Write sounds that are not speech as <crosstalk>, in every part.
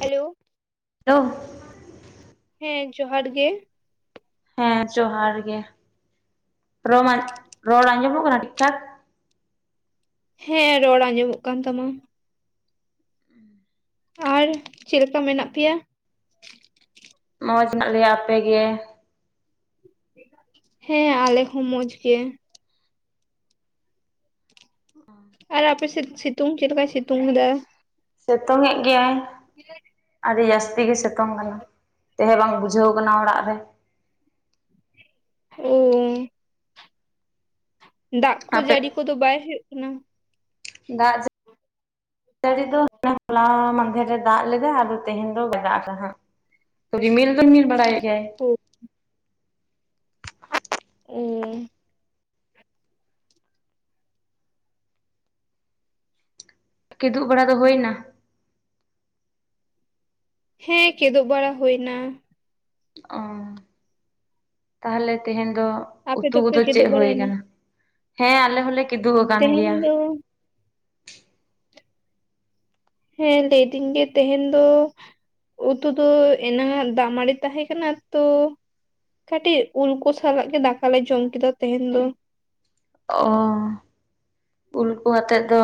Hello hello ᱦᱮᱸ ᱡᱚᱦᱟᱨ ᱜᱮ ᱦᱮᱸ ᱡᱚᱦᱟᱨ ᱜᱮ ᱨᱚᱢᱟᱡ ᱨᱚᱲ ᱟᱸᱡᱚᱢᱚᱜ ᱠᱟᱱᱟ ᱴᱷᱤᱠ ᱴᱷᱟᱠ? ᱦᱮᱸ ᱨᱚᱲ ᱟᱸᱡᱚᱢᱚᱜ ᱠᱟᱱ ᱛᱟᱢᱟ ᱟᱨ ᱪᱮᱫ ᱞᱮᱠᱟ ᱢᱮᱱᱟᱜ ᱯᱮᱭᱟ? ᱢᱚᱸᱡᱽ ᱦᱮᱱᱟᱜ ᱞᱮᱭᱟ ᱟᱯᱮᱜᱮ? ᱦᱮᱸ ᱟᱞᱮ ᱦᱚᱸ ᱢᱚᱡᱽ ᱜᱮ ᱟᱨ ᱟᱯᱮ ᱥᱮᱫ ᱥᱤᱛᱩᱝ ᱪᱮᱫᱠᱟᱭ ᱥᱤᱛᱩᱝ ᱫᱟᱭ? ᱥᱤᱛᱩᱝ ᱮᱫ ᱜᱮᱭᱟᱭ ᱟᱹᱰᱤ ᱡᱟᱹᱥᱛᱤ ᱜᱮ ᱥᱤᱛᱩᱝ ᱠᱟᱱᱟ ᱛᱟᱦᱮᱸ ᱵᱟᱝ ᱵᱩᱡᱷᱟᱹᱣ ᱠᱟᱱᱟ ᱚᱲᱟᱜ ᱨᱮ ᱳ ᱫᱟᱜ ᱠᱚ ᱟᱯᱮ ᱡᱟᱹᱲᱤ ᱠᱚᱫᱚ ᱵᱟᱭ ᱦᱩᱭᱩᱜ ᱠᱟᱱᱟ? ᱫᱟᱭ ᱡᱟ ᱡᱟᱹᱲᱤ <inaudible> ᱢᱟᱫᱷᱮ ᱮ ᱫᱟᱜ ᱞᱮᱫᱟ ᱟᱫᱚ ᱛᱮᱦᱮᱧ ᱫᱚ ᱵᱟᱭ ᱫᱟᱜ ᱠᱟᱦᱟᱸᱜ ᱨᱤᱢᱤᱞ ᱫᱟ ᱨᱤᱢᱤᱞ ᱵᱟᱲᱟᱭᱮᱫ ᱜᱮᱭᱟᱭ <inaudible> ᱩᱸ ᱠᱤᱫᱩᱵ ᱵᱟᱲᱟ ᱫᱚ ᱦᱩᱭᱱᱟ? ᱦᱮᱸ ᱠᱮᱫᱚᱜ ᱵᱟᱲᱟ ᱦᱩᱭ ᱱᱟ᱾ ᱚᱸ ᱛᱟᱦᱞᱮ ᱛᱮᱦᱮᱧ ᱫᱚ ᱟᱯᱮ ᱩᱛᱩ ᱫᱚᱯᱮ ᱠᱚᱫᱚ ᱪᱮᱫ ᱠᱮᱫᱳᱜ ᱦᱩᱭ ᱵᱟᱲᱟᱭᱮᱱᱟ ᱠᱟᱱᱟ? ᱦᱮᱸ ᱟᱞᱮ ᱦᱚᱞᱮ ᱠᱤᱫᱩ ᱠᱚᱜ ᱠᱟᱱ ᱜᱮᱭᱟ ᱛᱮᱦᱮᱧ ᱫᱚ ᱦᱮᱸ ᱞᱟᱹᱭᱫᱤᱧ ᱡᱮ ᱛᱮᱦᱮᱧ ᱫᱚ ᱩᱛᱩ ᱫᱚ ᱮᱱᱟᱝ ᱟᱜ ᱫᱟᱜ ᱢᱟᱰᱤ ᱛᱟᱦᱮᱸ ᱠᱟᱱᱟ ᱛᱚ ᱠᱟᱹᱴᱤᱡ ᱩᱞ ᱠᱚ ᱥᱟᱞᱟᱜ ᱜᱮ ᱫᱟᱠᱟ ᱞᱮ ᱡᱚᱢ ᱠᱮᱫᱟ ᱛᱮᱦᱮᱧ ᱫᱚ᱾ ᱚᱸ ᱩᱞᱠᱩ ᱟᱛᱮᱫ ᱫᱚ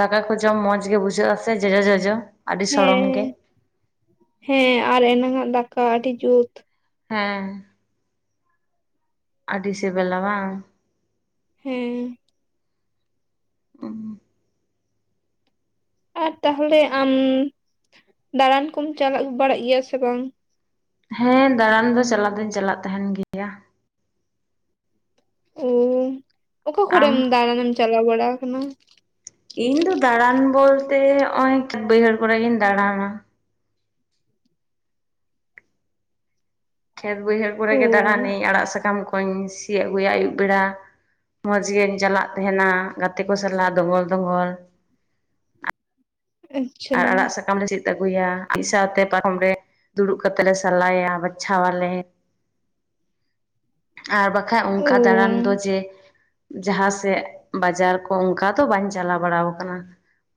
ᱫᱟᱠᱟ ᱠᱚ ᱡᱚᱢ ᱢᱚᱸᱡᱽ ᱜᱮ ᱵᱩᱡᱷᱟᱹᱜ ᱟ ᱥᱮ ᱡᱚᱡᱚᱼ ᱡᱚᱡᱚ? ᱟᱹᱰᱤ ᱦᱮᱸ ᱥᱚᱲᱚᱢ ᱜᱮ ᱦᱮᱸ ᱟᱨ ᱮᱱᱟᱝ ᱟᱜ ᱫᱟᱠᱟ ᱟᱹᱰᱤ ᱡᱩᱛ᱾ ᱦᱮᱸ ᱟᱹᱰᱤ ᱥᱮᱵᱮᱞᱟ ᱵᱟᱝ᱾ᱴᱴ ᱦᱮᱸ <inaudible> ᱟᱨ ᱛᱟᱦᱚᱞᱮ ᱟᱢ ᱫᱟᱬᱟᱱ ᱠᱚᱢ ᱪᱟᱞᱟᱜ ᱵᱟᱲᱟᱜ ᱜᱮᱭᱟ ᱥᱮ ᱵᱟᱝ? ᱦᱮᱸ ᱫᱟᱬᱟᱱ ᱫᱚ ᱪᱟᱞᱟᱣ ᱫᱚᱧ ᱪᱟᱞᱟᱜ ᱛᱟᱦᱮᱱ ᱜᱮᱭᱟ ᱚ ᱚᱠᱟ ᱠᱚᱨᱮᱢ ᱟᱢ ᱫᱟᱬᱟᱱᱮᱢ ᱪᱟᱞᱟᱣ ᱵᱟᱲᱟ ᱟᱠᱟᱱᱟ? ᱤᱧ ᱫᱚ ᱫᱟᱬᱟᱱ ᱵᱚᱞᱛᱮ ᱱᱚᱜ ᱚᱭ ᱵᱟᱹᱦᱟᱭ ᱠᱚᱨᱮ ᱜᱮᱧ ᱷᱟᱜ ᱦᱟᱫᱟᱡᱟ ᱫᱟᱬᱟᱱᱟ ᱠᱷᱮᱛ ᱵᱟᱹᱭᱦᱟᱹᱲ ᱚ ᱠᱚᱨᱮᱜ ᱜᱮ ᱫᱟᱬᱟᱱᱤᱧ ᱟᱲᱟᱜ ᱥᱟᱠᱟᱢ ᱠᱚᱧ ᱥᱤᱜ ᱟᱹᱜᱩᱭᱟ ᱟᱹᱭᱩᱵ ᱵᱮᱲᱟ ᱢᱚᱸᱡᱽ ᱜᱤᱧ ᱪᱟᱞᱟᱜ ᱛᱟᱦᱮᱱᱟ ᱜᱟᱛᱮ ᱠᱚ ᱥᱟᱞᱟᱜ ᱫᱚᱜᱚᱞ ᱫᱚᱜᱚᱞ ᱟᱪᱪᱷᱟ ᱟᱨ ᱟᱲᱟᱜ ᱥᱟᱠᱟᱢ ᱞᱮ ᱥᱤᱫ ᱟᱹᱜᱩᱭᱟ ᱢᱤᱫ ᱥᱟᱶᱛᱮ ᱯᱟᱨᱚᱢ ᱨᱮ ᱫᱩᱲᱩᱵ ᱠᱟᱛᱮ ᱞᱮ ᱥᱟᱞᱟᱭᱟ ᱵᱟᱪᱷᱟᱣᱟᱞᱮ <inaudible> ᱟᱨ ᱵᱟᱠᱷᱟᱡ ᱚ ᱚᱱᱠᱟ ᱫᱟᱬᱟᱱ ᱫᱚ ᱡᱮᱼᱼ ᱡᱟᱦᱟᱸ ᱥᱮᱫ ᱵᱟᱡᱟᱨ ᱠᱚ ᱚᱱᱠᱟ ᱫᱚ ᱵᱟᱹᱧ ᱪᱟᱞᱟᱣ ᱵᱟᱲᱟ ᱟᱠᱟᱱᱟ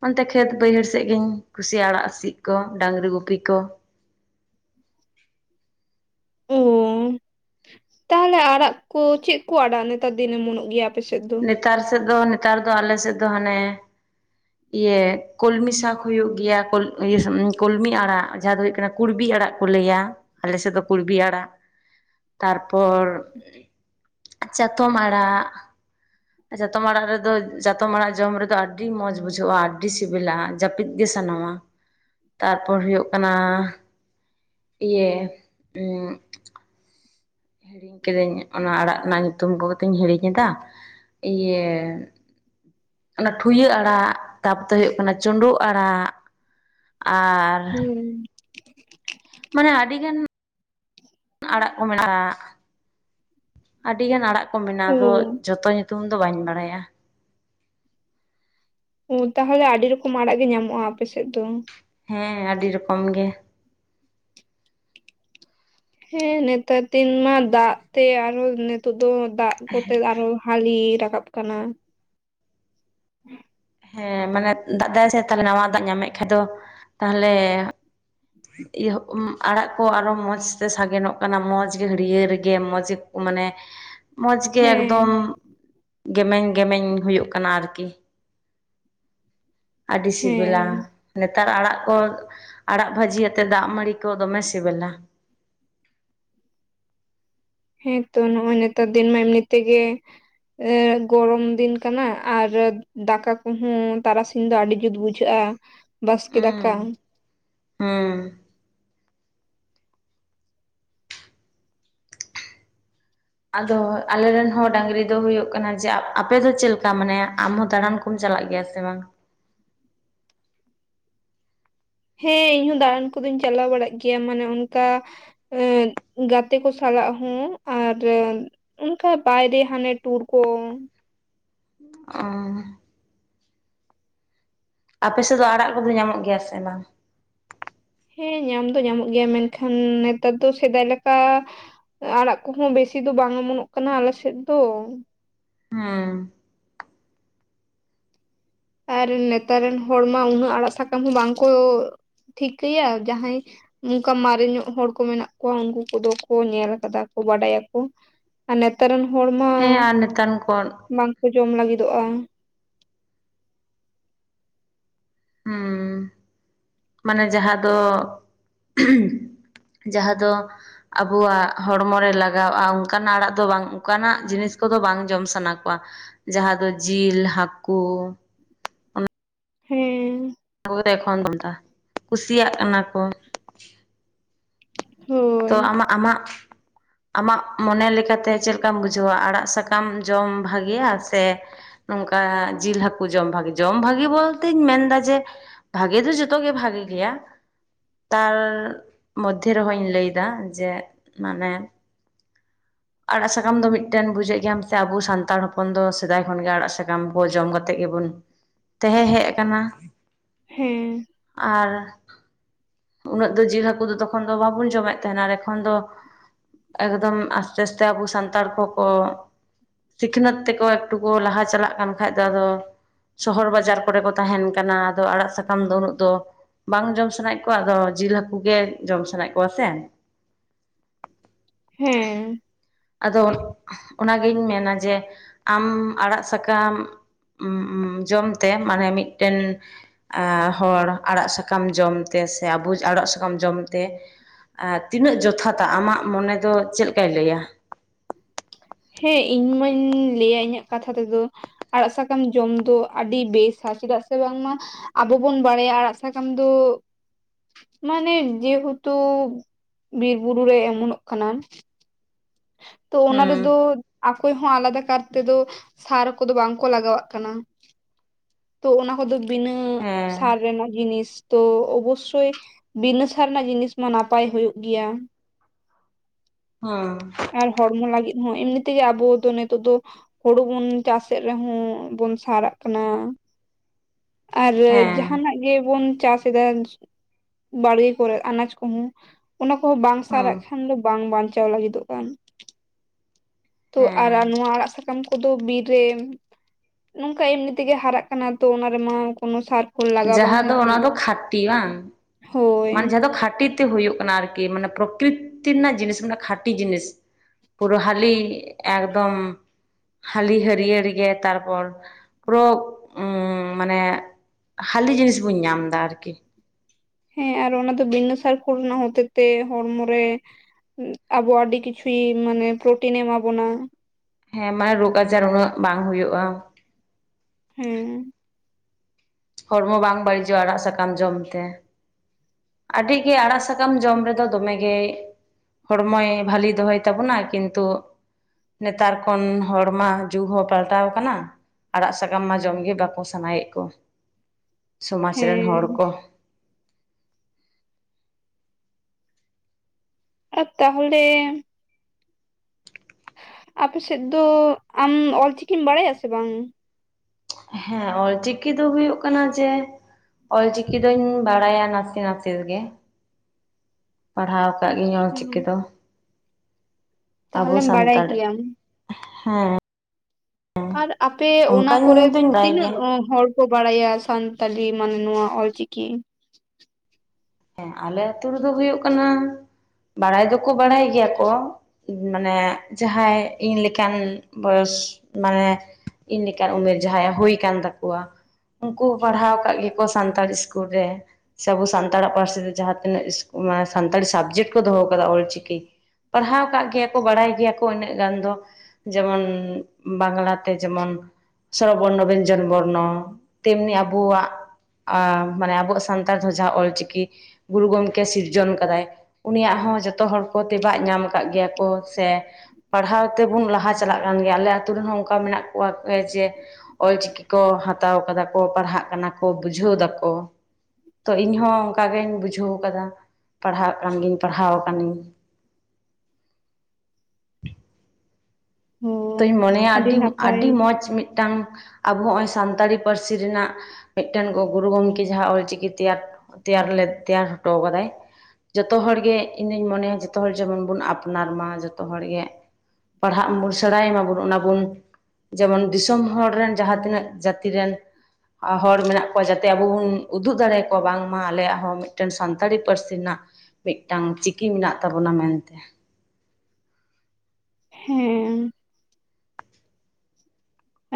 ᱚᱱᱛᱮ ᱠᱷᱮᱛ ᱵᱟᱹᱭᱦᱟᱹᱲᱼᱼ ᱥᱮᱫ ᱜᱮᱧ ᱠᱩᱥᱤᱭᱟᱜᱼᱟ ᱟᱲᱟᱜ ᱥᱤᱫ ᱠᱚ ᱰᱟᱹᱝᱨᱤ ᱜᱩᱯᱤ ᱠᱚ᱾ ᱚᱸ ᱛᱟᱦᱚᱞᱮ ᱟᱲᱟᱜ ᱠᱚ ᱪᱮᱫ ᱠᱚ ᱟᱲᱟᱜ ᱱᱮᱛᱟᱨ ᱫᱤᱱ ᱮᱢᱚᱱᱚᱜ ᱜᱮᱭᱟ ᱟᱯᱮᱼᱼ ᱥᱮᱫ ᱫᱚ? ᱱᱮᱛᱟᱨ ᱥᱮᱫ ᱫᱚ ᱱᱮᱛᱟᱨ ᱫᱚ ᱟᱞ ᱥᱮᱫ ᱫᱚ ᱦᱟᱱᱮᱼᱼ ᱤᱭᱟᱹ ᱠᱚᱞᱢᱤ ᱥᱟᱠ ᱦᱩᱭᱩᱜ ᱜᱮᱭᱟ ᱠᱚᱞᱢᱤ ᱟᱲᱟᱜ ᱡᱟᱦᱟᱸ ᱫᱚ ᱦᱩᱭᱩᱜ ᱠᱟᱱᱟ ᱠᱩᱲᱵᱤ ᱟᱲᱟᱜ ᱠᱚ ᱞᱟᱹᱭᱟ ᱟᱞᱮ ᱥᱮᱫ ᱫᱚ ᱠᱩᱲᱵᱤ ᱟᱲᱟᱜ ᱛᱟᱨᱯᱚᱨᱼᱼ ᱪᱟᱛᱚᱢ ᱟᱲᱟᱜ, ᱪᱟᱛᱚᱢ ᱟᱲᱟᱜ ᱨᱮᱫᱚ ᱪᱟᱛᱚᱢ ᱡᱚᱢ ᱨᱮᱫᱚ ᱟᱲᱟᱜ ᱡᱚᱢ ᱨᱮᱫᱚ ᱟᱹᱰᱤ ᱢᱚᱸᱡᱽ ᱵᱩᱡᱷᱟᱹᱜᱼᱟ ᱟᱹᱰᱤ ᱥᱤᱵᱤᱞᱟ᱾ ᱡᱟᱹᱯᱤᱫ ᱜᱮ ᱥᱟᱱᱟᱣᱟ ᱛᱟᱨ ᱯᱚᱨ ᱦᱩᱭᱩᱜ ᱠᱟᱱᱟ᱾ ᱤᱭᱟᱹ <unintelligible> ᱦᱤᱲᱤᱧ ᱠᱤᱫᱟᱹᱧ ᱚᱱᱟ ᱟᱲᱟᱜ ᱨᱮᱱᱟᱜ ᱧᱩᱛᱩᱢ ᱠᱚᱜᱮ ᱛᱩᱧ ᱦᱤᱲᱤᱧ ᱮᱫᱟ᱾ ᱤᱭᱤ. ᱚᱱᱟ ᱴᱷᱩᱭᱟᱹ ᱟᱲᱟᱜ ᱛᱟᱯᱚᱛᱮ ᱦᱩᱭᱩᱜ ᱠᱟᱱᱟ ᱪᱩᱸᱰᱩᱜ ᱟᱲᱟᱜ᱾ ᱟᱨ ᱦᱩᱸ ᱢᱟᱱᱮ ᱟᱹᱰᱤᱜᱟᱱ <inaudible> ᱟᱲᱟᱜ ᱠᱚ ᱢᱮᱱᱟᱜᱼᱟ ᱟᱹᱰᱤᱜᱟᱱ ᱟᱲᱟᱜ ᱠᱚ ᱚ ᱢᱮᱱᱟᱜᱼᱟ ᱟᱫᱚ ᱡᱷᱚᱛᱚ ᱧᱩᱛᱩᱢ ᱫᱚ ᱵᱟᱹᱧ ᱵᱟᱲᱟᱭᱟ᱾ ᱚ ᱛᱟᱦᱚᱞᱮ ᱟᱹᱰᱤ ᱨᱚᱠᱚᱢ ᱟᱲᱟᱜ ᱜᱮ ᱧᱟᱢᱚᱜᱼᱟ ᱟᱯᱮᱥᱮᱫ ᱫᱚ᱾ ᱦᱮᱸ ᱟᱹᱰᱤ ᱨᱚᱠᱚᱢ ᱜᱮ ᱦᱮᱸ ᱱᱮᱛᱟᱨ ᱫᱤᱱ ᱢᱟ ᱫᱟᱜ ᱛᱮ ᱟᱨᱦᱚᱸ ᱱᱤᱛᱚᱜ ᱫᱚ ᱫᱟᱜ ᱠᱚᱛᱮ ᱟᱨᱦᱚᱸᱼᱼ ᱦᱟᱹᱞᱤ ᱨᱟᱠᱟᱵ ᱠᱟᱱᱟ᱾ <inaudible> ᱦᱮᱸ ᱢᱟᱱᱮ ᱫᱟᱜ ᱮᱫᱟᱭ ᱥᱮ ᱛᱟᱦᱚᱞᱮ ᱱᱟᱶᱟ ᱫᱟᱜ ᱧᱟᱢᱮᱫ ᱠᱷᱟᱡ ᱫᱚ ᱛᱟᱦᱚᱞᱮᱼᱼ ᱤᱭᱟᱹ ᱟᱲᱟᱜ ᱠᱚ ᱟᱨᱦᱚᱸ ᱢᱚᱸᱡᱽ ᱛᱮ ᱥᱟᱜᱮᱱᱚᱜ ᱠᱟᱱᱟ ᱢᱚᱸᱡᱽ ᱜᱮ ᱦᱟᱹᱨᱭᱟᱹᱲ ᱜᱮ ᱢᱚᱸᱡᱽ ᱜᱮ ᱢᱟᱱᱮᱼᱼ <inaudible> ᱢᱚᱸᱡᱽ ᱜᱮ ᱦᱮᱸ ᱮᱠᱫᱚᱢ ᱜᱮᱢᱮᱧ ᱜᱮᱢᱮᱧ ᱦᱩᱭᱩᱜ ᱠᱟᱱᱟ ᱟᱨᱠᱤ᱾ ᱟᱹᱰᱤ ᱥᱤᱵᱤᱞᱟ ᱦᱮᱸ ᱱᱮᱛᱟᱨ ᱟᱲᱟᱜ ᱠᱚ ᱟᱲᱟᱜ ᱵᱷᱟᱹᱡᱤ ᱟᱛᱮᱫ ᱫᱟᱜ ᱢᱟᱹᱰᱤ ᱠᱚ ᱫᱚᱢᱮ ᱥᱤᱵᱤᱞᱟ, ᱦᱮᱸ ᱛᱚ ᱱᱚᱜᱼᱚᱭ ᱱᱮᱛᱟᱨ ᱫᱤᱱ ᱢᱟ ᱮᱢᱱᱤ ᱛᱮ ᱜᱮᱼᱼ ᱮᱻ ᱜᱚᱨᱚᱢ ᱫᱤᱱ ᱠᱟᱱᱟ ᱟᱨ ᱫᱟᱠᱟ ᱠᱚ ᱦᱚᱸ ᱛᱟᱨᱟᱥᱤᱧᱼᱼ ᱤᱥᱤᱱ ᱫᱚ ᱟᱹᱰᱤ ᱡᱩᱛ ᱵᱩᱡᱷᱟᱹᱜᱼᱟ ᱵᱟᱥᱠᱮ ᱫᱟᱠᱟ᱾ ᱦᱩᱸᱻ ᱟᱫᱚ ᱟᱞᱮ ᱨᱮᱱ ᱦᱚᱸ ᱰᱟᱝᱨᱤ ᱫᱚ ᱦᱩᱭᱩᱜ ᱠᱟᱱᱟ ᱡᱮ ᱟᱯᱮ ᱫᱚ ᱪᱮᱫ ᱞᱮᱠᱟ ᱢᱟᱱᱮ ᱟᱢ ᱦᱚᱸ ᱫᱟᱬᱟᱱ ᱠᱚᱼᱼ ᱠᱚᱢ ᱪᱟᱞᱟᱜ ᱜᱮᱭᱟ ᱥᱮ ᱵᱟᱝ? ᱦᱮᱸ ᱤᱧ ᱦᱚᱸ ᱫᱟᱬᱟᱱ ᱠᱚ ᱫᱩᱧ ᱪᱟᱞᱟᱣ ᱵᱟᱲᱟᱜ ᱜᱮᱭᱟ ᱢᱟᱱᱮ ᱚᱱᱠᱟ᱾ ᱜᱟᱛᱮ ᱠᱚ ᱥᱟᱞᱟᱜ ᱦᱚᱸ ᱟᱨᱼᱼ ᱩᱱᱠᱟ ᱵᱟᱭᱨᱮ ᱦᱟᱱᱮ ᱴᱩᱨ ᱠᱚ᱾ ᱟᱸ ᱟᱯᱮ ᱥᱮᱫ ᱫᱚ ᱟᱲᱟᱜ ᱠᱚ ᱫᱚ ᱧᱟᱢᱚᱜ ᱜᱮᱭᱟ ᱥᱮ ᱵᱟᱝ? ᱦᱮᱸ ᱧᱟᱢ ᱫᱚ ᱧᱟᱢᱚᱜ ᱜᱮᱭᱟ ᱢᱮᱱ ᱠᱷᱟᱱ ᱱᱮᱛᱚᱜ ᱫᱚ ᱥᱮᱫᱟᱭ ᱞᱮᱠᱟᱼᱼ ᱟᱲᱟᱜ ᱠᱚ ᱦᱚᱸ ᱵᱮᱥᱤ ᱫᱚ ᱵᱟᱝ ᱚᱢᱚᱱᱚᱜ ᱠᱟᱱᱟ ᱟᱞᱮ ᱥᱮᱫ ᱫᱚ, ᱦᱩᱸᱻ ᱟᱨ ᱱᱮᱛᱟᱨ ᱨᱮᱱ ᱦᱚᱲ ᱢᱟ ᱩᱱᱟᱹᱜ ᱟᱲᱟᱜ ᱥᱟᱠᱟᱢ ᱦᱚᱸ ᱵᱟᱝ ᱠᱚ ᱴᱷᱤᱠᱟᱹᱭᱟ ᱡᱟᱦᱟᱸᱭ ᱚᱱᱠᱟ ᱢᱟᱨᱮ ᱧᱚᱜ ᱦᱚᱲ ᱠᱚ ᱢᱮᱱᱟᱜ ᱠᱚᱣᱟ ᱩᱱᱠᱩ ᱠᱚ ᱫᱚ ᱠᱚ ᱧᱮᱞ ᱠᱟᱫᱟ ᱠᱚ ᱵᱟᱰᱟᱭᱟ ᱠᱚ ᱟᱨ ᱱᱮᱛᱟᱨ ᱨᱮᱱ ᱦᱚᱲ ᱢᱟ ᱦᱮᱸ ᱟᱨ ᱱᱮᱛᱟᱨ ᱠᱚ ᱵᱟᱝ ᱠᱚ ᱡᱚᱢ ᱞᱟᱹᱜᱤᱫᱚᱜᱼᱟ᱾ ᱦᱩᱸ <inaudible> ᱢᱟᱱᱮ ᱡᱟᱦᱟᱸ ᱫᱚ ᱡᱟᱦᱟᱸ ᱫᱚ ᱟᱵᱚᱣᱟᱜ ᱦᱚᱲᱢᱚ ᱨᱮ ᱞᱟᱜᱟᱣᱼᱟ ᱚᱱᱠᱟᱱᱟᱜ ᱟᱲᱟᱜ ᱫᱚ ᱵᱟᱝ ᱚᱱᱠᱟᱱᱟᱜ ᱡᱤᱱᱤᱥ ᱠᱚᱫᱚ ᱵᱟᱝ ᱡᱚᱢ ᱥᱟᱱᱟ ᱠᱚᱣᱟ ᱡᱟᱦᱟᱸ ᱫᱚ ᱡᱤᱞ ᱦᱟᱹᱠᱩ ᱦᱮᱸ <inaudible> ᱠᱩᱥᱤᱭᱟᱜ ᱠᱟᱱᱟ ᱠᱚ ᱛᱚ ᱦᱳᱭ ᱟᱢᱟᱜ ᱟᱢᱟᱜ ᱟᱢᱟᱜ ᱢᱚᱱᱮ ᱞᱮᱠᱟᱛᱮ ᱪᱮᱫ ᱞᱮᱠᱟᱢ ᱵᱩᱡᱷᱟᱹᱣᱟ ᱟᱲᱟᱜ ᱥᱟᱠᱟᱢ ᱡᱚᱢ ᱵᱷᱟᱹᱜᱤᱭᱟ ᱥᱮ? ᱱᱚᱝᱠᱟ ᱡᱤᱞ ᱦᱟᱹᱠᱩ ᱡᱚᱢ ᱵᱷᱟᱹᱜᱤ ᱡᱚᱢ ᱵᱷᱟᱹᱜᱤ ᱵᱚᱞᱛᱮᱧ ᱢᱮᱱᱫᱟ ᱡᱮ ᱵᱷᱟᱹᱜᱮ ᱫᱚ ᱡᱚᱛᱚ ᱜᱮ ᱵᱷᱟᱹᱜᱮ ᱜᱮᱭᱟ ᱛᱟᱨ ᱢᱚᱫᱽᱫᱷᱮ ᱨᱮᱦᱚᱧ ᱞᱟᱹᱭ ᱫᱟ ᱡᱮ ᱢᱟᱱᱮ ᱟᱲᱟᱜ ᱥᱟᱠᱟᱢ ᱫᱚ ᱢᱤᱫᱴᱮᱱ ᱵᱩᱡᱮᱜ ᱜᱮᱭᱟᱢ ᱥᱮ ᱟᱵᱚ ᱥᱟᱱᱛᱟᱲ ᱦᱚᱯᱚᱱ ᱫᱚ ᱥᱮᱫᱟᱭ ᱠᱷᱚᱱ ᱜᱮ ᱟᱲᱟᱜ ᱥᱟᱠᱟᱢ ᱠᱚ ᱡᱚᱢ ᱠᱟᱛᱮᱜ ᱜᱮ ᱵᱚᱱ ᱛᱟᱦᱮᱸ ᱦᱮᱜ ᱠᱟᱱᱟ ᱦᱮᱸ ᱟᱨ ᱩᱱᱟᱹᱜ ᱫᱚ ᱡᱤᱞ ᱦᱟᱹᱠᱩ ᱫᱚ ᱛᱚᱠᱷᱚᱱ ᱫᱚ ᱵᱟᱵᱚᱱ ᱡᱚᱢᱮᱫ ᱛᱟᱦᱮᱱᱟ ᱟᱨ ᱮᱠᱷᱚᱱ ᱫᱚ ᱮᱠᱫᱚᱢ ᱟᱥᱛᱮ ᱟᱥᱛᱮ ᱟᱵᱚ ᱥᱟᱱᱛᱟᱲ ᱠᱚ ᱠᱚ ᱥᱤᱠᱷᱱᱟᱹᱛ ᱛᱮ ᱠᱚ ᱮᱠᱴᱩ ᱠᱚ ᱞᱟᱦᱟ ᱪᱟᱞᱟᱜ ᱠᱟᱱ ᱠᱷᱟᱡ ᱫᱚ ᱟᱫᱚ ᱥᱚᱦᱚᱨ ᱵᱟᱡᱟᱨ ᱠᱚ ᱨᱮ ᱠᱚ ᱛᱟᱦᱮᱱ ᱠᱟᱱᱟ ᱟᱫᱚ ᱟᱲᱟᱜ ᱥᱟᱠᱟᱢ ᱫᱚ ᱩᱱᱟᱹᱜ ᱫᱚ ᱵᱟᱝ ᱡᱚᱢ ᱥᱟᱱᱟᱭᱮᱫ ᱠᱚᱣᱟ ᱟᱫᱚ ᱡᱤᱞ ᱦᱟᱠᱩ ᱜᱮ ᱡᱚᱢ ᱥᱟᱱᱟᱭᱮᱫ ᱠᱚᱣᱟ ᱥᱮ ᱦᱮᱸ ᱟᱫᱚ ᱚᱱᱟ ᱜᱤᱧ ᱢᱮᱱᱟ ᱡᱮ ᱟᱢ ᱟᱲᱟᱜ ᱥᱟᱠᱟᱢ ᱩᱸ ᱩᱸ ᱡᱚᱢ ᱛᱮ ᱢᱟᱱᱮ ᱢᱤᱫᱴᱮᱱ ᱟ ᱦᱚᱲ ᱟᱲᱟᱜ ᱥᱟᱠᱟᱢ ᱡᱚᱢ ᱛᱮ ᱥᱮ ᱟᱵᱩᱡᱽ ᱟᱲᱟᱜ ᱥᱟᱠᱟᱢ ᱡᱚᱢ ᱛᱮ ᱟ ᱛᱤᱱᱟᱹᱜ ᱡᱚᱛᱷᱟᱛᱟ ᱟᱢᱟᱜ ᱢᱚᱱᱮ ᱫᱚ ᱪᱮᱫ ᱞᱮᱠᱟᱭ ᱞᱟᱹᱭᱟ? ᱦᱮᱸ ᱤᱧ ᱢᱟᱹᱧ ᱞᱟᱹᱭᱟ ᱤᱧᱟᱹᱜ ᱠᱟᱛᱷᱟ ᱛᱮ ᱫᱚ ᱟᱲᱟᱜ ᱥᱟᱠᱟᱢ ᱡᱚᱢ ᱫᱚ ᱟᱹᱰᱤ ᱵᱮᱥᱟ ᱪᱮᱫᱟᱜ ᱥᱮ ᱵᱟᱝ ᱢᱟ ᱟᱵᱚ ᱵᱚᱱ ᱵᱟᱲᱟᱭᱟ ᱟᱲᱟᱜ ᱥᱟᱠᱟᱢ ᱫᱚ ᱢᱟᱱᱮ ᱡᱮᱦᱮᱛᱩ ᱵᱤᱨ ᱵᱩᱨᱩ ᱨᱮ ᱮᱢᱚᱱᱚᱜ ᱠᱟᱱᱟ ᱛᱚ ᱚᱱᱟ ᱦᱩᱸ ᱨᱮᱫᱚ ᱟᱠᱚᱭ ᱦᱚᱸ ᱟᱞᱟᱫᱟ ᱠᱟᱨ ᱛᱮᱫᱚ ᱥᱟᱨ ᱠᱚᱫᱚ ᱵᱟᱝ ᱠᱚ ᱞᱟᱜᱟᱣᱟᱜ ᱠᱟᱱᱟ ᱛᱚ ᱚᱱᱟ ᱦᱚᱫᱚ ᱵᱤᱱᱟᱹ ᱦᱮᱸ ᱥᱟᱨ ᱨᱮᱱᱟᱜ ᱡᱤᱱᱤᱥ ᱛᱚ ᱚᱵᱚᱥᱥᱳᱭ ᱵᱤᱱᱟᱹ ᱥᱟᱨ ᱨᱮᱱᱟᱜ ᱡᱤᱱᱤᱥ ᱢᱟ ᱱᱟᱯᱟᱭ ᱦᱩᱭᱩᱜ ᱜᱮᱭᱟ᱾ ᱦᱳ ᱟᱨ ᱦᱚᱲᱢᱚ ᱞᱟᱹᱜᱤᱫ ᱦᱚᱸ ᱮᱢᱱᱤ ᱛᱮᱜᱮ ᱟᱵᱚ ᱫᱚ ᱱᱤᱛᱳᱜ ᱫᱚ ᱦᱩᱲᱩ ᱵᱚᱱ ᱪᱟᱥᱮᱫ ᱨᱮᱦᱚᱸ ᱵᱚᱱ ᱥᱟᱨᱼᱟᱜ ᱠᱟᱱᱟ ᱟᱨ ᱦᱮᱸ ᱡᱟᱦᱟᱱᱟᱜ ᱜᱮ ᱵᱚᱱ ᱪᱟᱥ ᱮᱫᱟ ᱵᱟᱲᱜᱮ ᱠᱚᱨᱮᱫ ᱟᱱᱟᱡ ᱠᱚᱦᱚ ᱚᱱᱟ ᱠᱚᱦᱚᱸ ᱵᱟᱝ ᱦᱩᱸ ᱥᱟᱨᱟᱜ ᱠᱷᱟᱱ ᱫᱚ ᱵᱟᱝ ᱵᱟᱧᱪᱟᱣ ᱞᱟᱹᱜᱤᱫᱚᱜᱼᱟ ᱛᱳ ᱟᱨ ᱟᱨ ᱦᱮᱸ ᱱᱚᱣᱟ ᱟᱲᱟᱜ ᱠᱟᱢ ᱠᱚᱫᱚ ᱵᱤᱨ ᱨᱮ ᱱᱚᱝᱠᱟ ᱮᱢᱱᱤ ᱛᱮᱜᱮ ᱦᱟᱨᱟᱜ ᱠᱟᱱᱟ ᱛᱚ ᱚᱱᱟ ᱨᱮᱢᱟ ᱠᱳᱱᱳ ᱥᱟᱨ ᱠᱷᱳᱞ ᱞᱟᱜᱟᱣ ᱵᱟᱝ ᱡᱟᱦᱟᱸ ᱛᱟᱦᱮᱱ ᱫᱚ ᱚᱱᱟ ᱠᱟᱱᱟ ᱫᱚ ᱠᱷᱟᱴᱤ ᱵᱟᱝ ᱦᱳᱭ ᱢᱟᱱᱮ ᱡᱟᱦᱟᱸ ᱫᱚ ᱠᱷᱟᱴᱤᱴ ᱛᱮ ᱦᱩᱭᱩᱜ ᱠᱟᱱᱟ ᱟᱨᱠᱤ ᱢᱟᱱᱮ ᱯᱨᱚᱠᱨᱤᱛᱤ ᱨᱮᱱᱟᱜ ᱡᱤᱱᱤᱥ ᱢᱟᱱᱮ ᱠᱷᱟᱴᱤ ᱡᱤᱱᱤᱥ᱾ ᱯᱩᱨᱳ ᱦᱟᱞᱤ ᱮᱠᱫᱚᱢ, ᱦᱟᱞᱤ ᱦᱟᱹᱨᱭᱟᱹᱲ ᱜᱮ ᱛᱟᱨᱯᱚᱨ ᱯᱨᱚᱜᱽ ᱚᱻ ᱢᱟᱱᱮᱼᱼ ᱦᱟᱞᱤ ᱡᱤᱱᱤᱥ ᱵᱚᱱ ᱧᱟᱢ ᱫᱟ ᱟᱨᱠᱤ᱾ ᱦᱮᱸ ᱟᱨ ᱚᱱᱟ ᱫᱚ ᱵᱤᱱᱟᱹ ᱥᱟᱨ ᱠᱚᱨᱮᱱᱟᱜ ᱦᱚᱛᱮ ᱛᱮ ᱦᱚᱲᱢᱚ ᱨᱮᱼᱼ ᱟᱵᱚ ᱟᱹᱰᱤ ᱠᱤᱪᱷᱩᱭ ᱢᱟᱱᱮ ᱯᱨᱚᱴᱤᱱ ᱮ ᱮᱢᱟ ᱵᱚᱱᱟ᱾ ᱦᱮᱸ ᱢᱟᱱᱮ ᱨᱳᱜᱽ ᱟᱡᱟᱨ ᱩᱱᱟᱹᱜ ᱵᱟᱝ ᱦᱳᱭᱳᱜᱼᱟ᱾ ᱦᱩᱸᱻ ᱦᱚᱲᱢᱚ ᱵᱟᱝ ᱵᱟᱹᱲᱤᱡᱚᱜᱼᱟ ᱟᱲᱟᱜ ᱥᱟᱠᱟᱢ ᱡᱚᱢ ᱛᱮ᱾ ᱟᱹᱰᱤ ᱜᱮ ᱟᱲᱟᱜ ᱥᱟᱠᱟᱢ ᱡᱚᱢ ᱨᱮᱫᱚ ᱫᱚᱢᱮ ᱜᱮᱼᱼ ᱦᱚᱲᱢᱚᱭ ᱵᱷᱟᱞᱤ ᱫᱚᱦᱚᱭ ᱛᱟᱵᱚᱱᱟᱭ ᱠᱤᱱᱛᱩᱼᱼ ᱱᱮᱛᱟᱨ ᱠᱷᱚᱱ ᱦᱚᱲ ᱢᱟ ᱡᱩᱜᱽ ᱦᱚᱸ ᱯᱟᱞᱴᱟᱣ ᱟᱠᱟᱱᱟ᱾ ᱟᱲᱟᱜ ᱥᱟᱠᱟᱢ ᱢᱟ ᱡᱚᱢ ᱜᱮ ᱵᱟᱠᱚ ᱥᱟᱱᱟᱭᱮᱫ ᱠᱚ ᱥᱚᱢᱟᱡᱽ ᱨᱮᱱ ᱦᱚᱲ ᱦᱮᱸ ᱠᱚ᱾ ᱟᱨ ᱛᱟᱦᱚᱞᱮ? ᱟᱯᱮ ᱥᱮᱫ ᱫᱚ ᱟᱢ ᱚᱞ ᱪᱤᱠᱤᱢ ᱵᱟᱲᱟᱭᱟ ᱥᱮ ᱵᱟᱝ? ᱦᱮᱸ ᱚᱞ ᱪᱤᱠᱤ ᱫᱚ ᱦᱩᱭᱩᱜ ᱠᱟᱱᱟ ᱡᱮᱼᱼ ᱚᱞ ᱪᱤᱠᱤ ᱫᱚᱧ ᱵᱟᱲᱟᱭᱟ ᱱᱟᱥᱮ ᱱᱟᱥᱮ ᱜᱮ, ᱯᱟᱲᱦᱟᱣ ᱟᱠᱟᱫ ᱜᱤᱭᱟᱹᱧ ᱚᱞ ᱪᱤᱠᱤ ᱫᱚ ᱟᱵᱚ ᱛᱟᱦᱚᱞᱮᱢ ᱵᱟᱲᱟᱭ ᱥᱟᱱᱛᱟᱲ ᱜᱮᱭᱟᱢ ᱦᱮᱸ ᱟᱨ ᱟᱯᱮ ᱚᱱᱟ ᱚᱱᱠᱟᱧ ᱠᱚᱨᱮ ᱫᱩᱧ ᱵᱟᱲᱟᱭ ᱛᱤᱱᱟᱹᱜ ᱜᱮᱭᱟ ᱦᱚᱲᱼᱼ ᱠᱚ ᱵᱟᱲᱟᱭᱟ ᱥᱟᱱᱛᱟᱞᱤ ᱢᱟᱱᱮ ᱱᱚᱣᱟ ᱚᱞ ᱪᱤᱠᱤ ᱦᱮᱸ ᱟᱞᱮ ᱟᱛᱳ ᱨᱮᱫᱚ ᱦᱩᱭᱩᱜ ᱠᱟᱱᱟ ᱵᱟᱲᱟᱭ ᱫᱚᱠᱚ ᱵᱟᱲᱟᱭ ᱜᱮᱭᱟ ᱠᱚ᱾ ᱢᱟᱱᱮ ᱡᱟᱦᱟᱸᱭ ᱤᱧ ᱞᱮᱠᱟᱱ ᱵᱚᱭᱚᱥ ᱢᱟᱱᱮᱼᱼ ᱤᱧ ᱞᱮᱠᱟᱱ ᱩᱢᱮᱨ ᱡᱟᱦᱟᱸᱭᱟᱜ ᱦᱩᱭ ᱠᱟᱱ ᱛᱟᱠᱚᱣᱟ, ᱩᱱᱠᱩ ᱯᱟᱲᱦᱟᱣ ᱟᱠᱟᱫ ᱜᱮᱠᱚ ᱥᱟᱱᱛᱟᱲ ᱥᱠᱩᱞ ᱨᱮ ᱥᱮ ᱟᱵᱚ ᱥᱤᱱᱼᱼ ᱥᱟᱱᱛᱟᱲ ᱟᱜ ᱯᱟᱹᱨᱥᱤ ᱛᱮ ᱡᱟᱦᱟᱸ ᱛᱤᱱᱟᱹᱜ <unintelligible> ᱢᱟᱱᱮ ᱥᱟᱱᱛᱟᱲᱤ ᱥᱟᱵᱡᱮᱠᱴ ᱠᱚ ᱫᱚᱦᱚ ᱟᱠᱟᱫᱟ ᱚᱞ ᱪᱤᱠᱤ ᱯᱟᱲᱦᱟᱣ ᱠᱟᱜ ᱜᱮᱭᱟ ᱠᱚ ᱵᱟᱲᱟᱭ ᱜᱮᱭᱟ ᱠᱚ ᱤᱱᱟᱹᱜ ᱜᱟᱱ ᱫᱚ᱾ ᱡᱮᱢᱚᱱ ᱵᱟᱝᱞᱟ ᱛᱮ ᱡᱮᱢᱚᱱ, ᱥᱚᱨᱚ ᱵᱚᱨᱱᱚ ᱵᱮᱧᱡᱚᱱ ᱵᱚᱨᱱᱚ ᱛᱮᱢᱱᱤ ᱟᱵᱚᱣᱟᱜ᱾ ᱟ ᱢᱟᱱᱮ ᱟᱵᱚᱣᱟᱜ ᱥᱟᱱᱛᱟᱲ ᱛᱮ ᱡᱟᱦᱟᱸ ᱚᱞ ᱪᱤᱠᱤ ᱜᱩᱨᱩ ᱜᱚᱢᱠᱮ ᱥᱤᱨᱡᱚᱱ ᱟᱠᱟᱫᱟᱭ᱾ ᱩᱱᱤᱭᱟᱜ ᱦᱚᱸ ᱡᱚᱛᱚ ᱦᱚᱲ ᱠᱚ ᱛᱮᱵᱟᱜ ᱧᱟᱢ ᱠᱟᱜ ᱜᱮᱭᱟ ᱠᱚ ᱥᱮᱼᱼ ᱯᱟᱲᱦᱟᱣ ᱛᱮᱵᱚᱱ ᱞᱟᱦᱟ ᱪᱟᱞᱟᱜ ᱠᱟᱱ ᱜᱮᱭᱟ ᱟᱞᱮ ᱟᱛᱩ ᱨᱮᱦᱚ ᱚᱱᱠᱟ ᱢᱮᱱᱟᱜ ᱠᱚᱣᱟ ᱮ ᱡᱮᱼᱼ ᱚᱞ ᱪᱤᱠᱤ ᱠᱚ ᱦᱟᱛᱟᱣ ᱟᱠᱟᱫᱟ ᱠᱚ ᱯᱟᱲᱦᱟᱜ ᱠᱟᱱᱟ ᱠᱚ ᱵᱩᱡᱷᱟᱹᱣ ᱫᱟᱠᱚ ᱛᱚ ᱤᱧ ᱦᱚᱸ ᱚᱱᱠᱟ ᱜᱮᱧ ᱵᱩᱡᱷᱟᱹᱣ ᱟᱠᱟᱫᱟ ᱯᱟᱲᱦᱟᱜ ᱠᱟᱱ ᱜᱤᱧ ᱯᱟᱲᱦᱟᱣ ᱟᱠᱟᱱ ᱤᱧᱼᱼ ᱚ ᱛᱚᱧ ᱢᱚᱱᱮᱭᱟ ᱟᱹᱰᱤ ᱟᱰᱤ ᱱᱟᱯᱟᱭ ᱟᱰᱤ ᱢᱚᱸᱡᱽ ᱢᱤᱫᱴᱟᱝ ᱟᱵᱚ ᱱᱚᱜᱼᱚᱭ ᱥᱟᱱᱛᱟᱲᱤ ᱯᱟᱹᱨᱥᱤ ᱨᱮᱱᱟᱜᱼᱼ ᱢᱤᱫ ᱴᱮᱱ ᱜᱩᱨᱩ ᱜᱚᱝᱠᱮ ᱡᱟᱦᱟᱸ ᱚᱞ ᱪᱤᱠᱤ ᱛᱮᱭᱟᱨ ᱛᱮᱭᱟᱨ ᱦᱚᱴᱚ ᱠᱟᱫᱟᱭ᱾ ᱡᱷᱚᱛᱚ ᱦᱚᱲ ᱜᱮ ᱤᱧ ᱫᱩᱧ ᱢᱚᱱᱮᱭᱟ ᱡᱷᱚᱛᱚ ᱦᱚᱲ ᱡᱮᱢᱚᱱ ᱵᱚᱱ ᱟᱯ ᱱᱟᱨ ᱢᱟ ᱡᱷᱚᱛᱚ ᱦᱚᱲ ᱜᱮ, ᱯᱟᱲᱦᱟᱜ ᱢᱚᱡᱽᱼᱼ ᱥᱮᱬᱟᱭ ᱢᱟᱵᱚᱱ ᱚᱱᱟ ᱵᱚᱱ ᱡᱮᱢᱚᱱ ᱫᱤᱥᱚᱢ ᱦᱚᱲ ᱨᱮᱱ ᱡᱟᱦᱟᱸ ᱛᱤᱱᱟᱹᱜ ᱡᱟᱹᱛᱤ ᱨᱮᱱ ᱦᱚᱲ ᱢᱮᱱᱟᱜ ᱠᱚᱣᱟ ᱡᱟᱛᱮᱼᱼ ᱡᱟᱛᱮ ᱟᱵᱚ ᱵᱚᱱ ᱩᱫᱩᱜ ᱫᱟᱲᱮ ᱭᱟᱠᱚᱣᱟ ᱵᱟᱝ ᱢᱟ ᱟᱞᱮᱭᱟᱼᱜ ᱦᱚᱸ ᱢᱤᱫ ᱴᱮᱱ ᱥᱟᱱᱛᱟᱲᱤ ᱯᱟᱹᱨᱥᱤ ᱨᱮᱱᱟᱜᱼᱼ ᱢᱤᱫ ᱴᱟᱝ ᱪᱤᱠᱤ ᱢᱮᱱᱟᱜ ᱛᱟᱵᱚᱱᱟ ᱢᱮᱱᱛᱮᱼᱼ ᱦᱮᱸ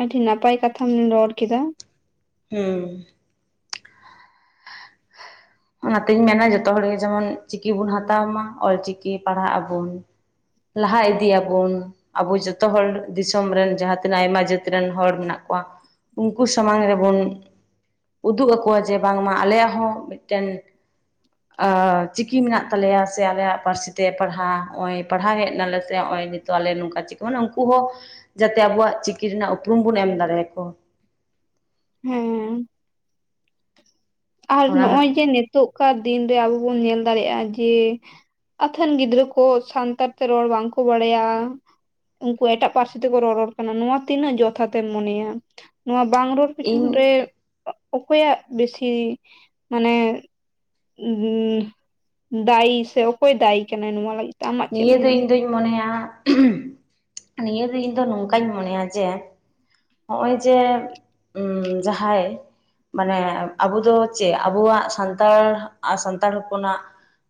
ᱟᱹᱰᱤ ᱱᱟᱯᱟᱭ ᱠᱟᱛᱷᱟᱢ ᱨᱚᱲ ᱠᱮᱫᱟ᱾ ᱦᱮᱸ ᱚᱱᱟᱛᱤᱧ ᱢᱮᱱᱟ ᱡᱷᱚᱛᱚ ᱦᱚᱲ ᱜᱮ ᱡᱮᱢᱚᱱ ᱪᱤᱠᱤ ᱵᱚᱱ ᱦᱟᱛᱟᱣ ᱢᱟ ᱚᱞ ᱪᱤᱠᱤ ᱯᱟᱲᱦᱟᱜ ᱟᱵᱚᱱ᱾ ᱞᱟᱦᱟ ᱤᱫᱤᱜ ᱟᱵᱚᱱ ᱟᱵᱚ ᱡᱷᱚᱛᱚ ᱦᱚᱲ ᱫᱤᱥᱚᱢ ᱨᱮᱱ ᱡᱟᱦᱟᱸ ᱛᱤᱱᱟᱹᱜ ᱟᱭᱢᱟ ᱡᱟᱹᱛ ᱨᱮᱱ ᱦᱚᱲ ᱢᱮᱱᱟᱜ ᱠᱚᱣᱟ᱾ ᱩᱱᱠᱩ ᱥᱟᱢᱟᱝ ᱨᱮᱵᱚᱱ ᱩᱫᱩᱜ ᱟᱠᱚᱣᱟ ᱡᱮ ᱵᱟᱝ ᱢᱟ ᱟᱞᱮᱭᱟᱜ ᱦᱚᱸ ᱴᱮᱱ ᱟ ᱪᱤᱠᱤ ᱢᱮᱱᱟᱜ ᱛᱟᱞᱮᱭᱟ ᱥᱮ ᱟᱞᱮ ᱭᱟᱜ ᱯᱟᱹᱨᱥᱤ ᱛᱮ ᱯᱟᱲᱦᱟᱣ ᱱᱚᱜᱼᱚᱭ ᱯᱟᱲᱦᱟᱣ ᱦᱮᱡ ᱱᱟᱞᱮ ᱥᱮ ᱱᱚᱜ ᱚᱭ ᱱᱤ <unintelligible> ᱱᱚᱝᱠᱟ ᱪᱤᱠᱟᱹ <unintelligible> ᱩᱱᱠᱩ ᱦᱚᱸ ᱡᱟᱛᱮ ᱟᱵᱚᱣᱟᱜ ᱪᱤᱠᱤ ᱨᱮᱱᱟᱜ ᱩᱯᱨᱩᱢ ᱵᱚᱱ ᱮᱢ ᱫᱟᱲᱮᱭᱟ ᱠᱚᱣᱟ᱾ ᱦᱮᱸ ᱟᱨ ᱚᱱᱟ ᱱᱚᱜ ᱚᱭ ᱡᱮ ᱱᱤᱛᱳᱜ ᱠᱟᱨ ᱫᱤᱱ ᱨᱮ ᱟᱵᱚ ᱵᱚᱱ ᱧᱮᱞ ᱫᱟᱲᱮᱭᱟᱜᱼᱟ ᱡᱮ ᱟᱛᱷᱟᱹᱱ ᱜᱤᱫᱽᱨᱟᱹ ᱠᱚ ᱥᱟᱱ ᱛᱟᱲ ᱛᱮ ᱨᱚᱲ ᱵᱟᱝ ᱠᱚ ᱵᱟᱲᱟᱭᱟ᱾ ᱩᱱᱠᱩ ᱮᱴᱟᱜ ᱯᱟᱹᱨᱥᱤ ᱛᱮ ᱠᱚ ᱨᱚᱨᱚᱲ ᱠᱟᱱᱟ ᱱᱚᱣᱟ ᱛᱤᱱᱟᱹᱜ ᱡᱚᱛᱷᱟ ᱛᱮᱢ ᱢᱚᱱᱮᱭᱟ ᱱᱚᱣᱟ ᱵᱟᱝ <unintelligible> ᱯᱤᱪᱷᱚᱱ ᱤᱧ ᱨᱮ ᱚᱠᱚᱭᱟᱜ ᱵᱮᱥᱤ ᱢᱟᱱᱮ <unintelligible> ᱫᱟᱭᱤ ᱥᱮ ᱚᱠᱚᱭ ᱫᱟᱭᱤ ᱠᱟᱱᱟᱭ ᱱᱚᱣᱟ ᱞᱟᱹᱜᱤᱫ? ᱛᱮ ᱟᱢᱟᱜ ᱪᱮᱫ ᱱᱤᱭᱟᱹ ᱫᱚ ᱢᱚᱱᱮ ᱦᱩᱭᱩᱜ ᱤᱧ ᱫᱩᱧ ᱢᱚᱱᱮ ᱭᱟ ᱱᱤᱭᱟᱹ ᱫᱚ ᱤᱧ ᱫᱚ ᱱᱚᱝ ᱠᱟᱧ ᱢᱚᱱᱮᱭᱟ ᱡᱮ ᱱᱚᱜᱼᱚᱭ ᱡᱮ ᱡᱟ ᱦᱟᱸᱭ ᱢᱟᱱᱮ ᱟᱵᱚ ᱫᱚ ᱪᱮᱫ ᱟᱵᱚᱣᱟᱜ ᱥᱟᱱᱛᱟᱲ ᱥᱟᱱᱛᱟᱲ ᱦᱚᱯᱚᱱᱟᱜ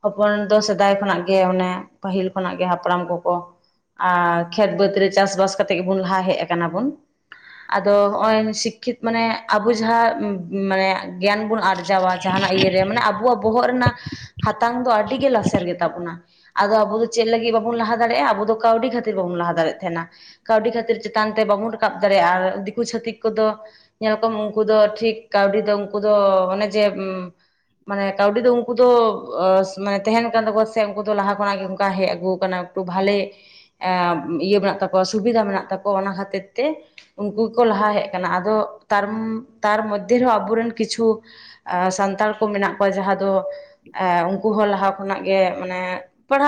ᱦᱚᱯᱚᱱ ᱫᱚ ᱥᱮᱫᱟᱭ ᱠᱷᱚᱱᱟᱜ ᱜᱮ ᱢᱟᱱᱮ ᱯᱟᱹᱦᱤᱞ ᱠᱷᱚᱱᱟᱜ ᱜᱮ ᱦᱟᱯᱲᱟᱢ ᱠᱚᱠᱚ ᱟᱨ ᱠᱷᱮᱛ ᱵᱟᱹᱫᱽ ᱨᱮ ᱪᱟᱥ ᱵᱟᱥ ᱠᱟᱛᱮᱜ ᱜᱮ ᱵᱚᱱ ᱞᱟᱦᱟ ᱦᱮᱡ ᱟᱠᱟᱱᱟ ᱵᱚᱱ ᱟᱫᱚ ᱦᱚᱸᱜᱼᱚᱭ ᱥᱤᱠᱠᱷᱤᱛ ᱢᱟᱱᱮ ᱟᱵᱚ ᱡᱟᱦᱟᱸ ᱢᱟᱱᱮ ᱜᱮᱭᱟᱱ ᱵᱚᱱ ᱟᱨᱡᱟᱣᱟ ᱡᱟᱦᱟᱱᱟᱜ ᱤᱭᱟᱹ <unintelligible> ᱟᱵᱚᱣᱟᱜ ᱵᱚᱦᱚᱜ ᱨᱮᱱᱟᱜ ᱦᱟᱛᱟᱝ ᱫᱚ ᱟᱹᱰᱤ ᱜᱮ ᱞᱟᱥᱮᱨ ᱜᱮᱛᱟ ᱵᱚᱱᱟ <unintelligible> ᱟᱵᱚ ᱫᱚ ᱪᱮᱫ ᱞᱟᱹᱜᱤᱫ ᱵᱟᱵᱚᱱ ᱞᱟᱦᱟ ᱫᱟᱲᱮᱭᱟᱜᱼᱟ ᱟᱵᱚ ᱫᱚ ᱠᱟᱹᱣᱰᱤ ᱠᱷᱟᱹᱛᱤᱨ ᱵᱟᱵᱚᱱ ᱞᱟᱦᱟ ᱫᱟᱲᱮᱭᱟᱜ ᱛᱟᱦᱮᱸᱱᱟ᱾ ᱠᱟᱹᱣᱰᱤ ᱠᱷᱟᱹᱛᱤᱨ ᱪᱮᱛᱟᱱ ᱛᱮ ᱵᱟᱵᱚᱱ ᱨᱟᱠᱟᱵ ᱫᱟᱲᱮᱭᱟᱜᱼᱟ ᱟᱨ ᱫᱤᱠᱩ ᱪᱷᱟᱹᱛᱤᱠ ᱠᱚᱫᱚ ᱧᱮᱞ ᱠᱚᱢ ᱩᱱᱠᱩ ᱫᱚ ᱴᱷᱤᱠ ᱠᱟᱹᱣᱰᱤ ᱫᱚ ᱩᱱᱠᱩ ᱫᱚ ᱚᱱᱮ ᱡᱮ <unintelligible> ᱢᱟᱱᱮ ᱠᱟᱹᱣᱰᱤ ᱫᱚ ᱩᱱᱠᱩ ᱫᱚ ᱢᱟᱱᱮ ᱛᱟᱦᱮᱱ ᱠᱟᱱ ᱛᱟᱠᱚᱣᱟ ᱥᱮ ᱩᱱᱠᱩ ᱫᱚ ᱞᱟᱦᱟ ᱠᱷᱚᱱᱟᱜ ᱜᱮ <unintelligible> ᱦᱮᱡ ᱟᱹᱜᱩ ᱟᱠᱟᱱᱟ ᱮᱠᱴᱩ ᱵᱷᱟᱞᱮ ᱮ ᱤᱭᱟᱹ ᱢᱮᱱᱟᱜ ᱛᱟᱠᱚᱣᱟ ᱥᱩᱵᱤᱫᱷᱟ ᱢᱮᱱᱟᱜ ᱛᱟᱠᱚᱣᱟ ᱚᱱᱟ ᱠᱷᱟᱹᱛᱤᱨ ᱛᱮ ᱩᱱᱠᱩ ᱜᱮᱠᱚ ᱞᱟᱦᱟ ᱦᱮᱡ ᱠᱟᱱᱟ ᱟᱫᱚ ᱛᱟᱨ ᱛᱟᱨ ᱢᱚᱫᱽᱫᱷᱮ ᱨᱮ ᱦᱚᱸ ᱟᱵᱚᱨᱮᱱ ᱠᱤᱪᱷᱩ ᱟ ᱥᱟᱱᱛᱟᱲ ᱠᱚ ᱢᱮᱱᱟᱜ ᱠᱚᱣᱟ ᱡᱟᱦᱟᱸ ᱫᱚ ᱮ ᱩᱱᱠᱩ ᱦᱚᱸ ᱞᱟᱦᱟ ᱠᱷᱚᱱᱟᱜ ᱜᱮ ᱢᱟᱱᱮ ᱯᱟᱲᱦᱟᱣ